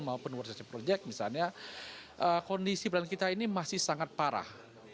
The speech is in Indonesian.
maupun world project misalnya kondisi peran kita ini masih sangat parah